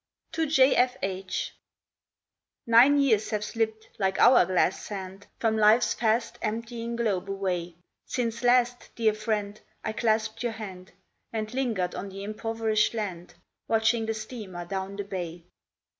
TO J. F. H. Nine years have slipped like hour glass sand From life's fast emptying globe away, Since last, dear friend, I clasped your hand, And lingered on the impoverished land, Watching the steamer down the bay.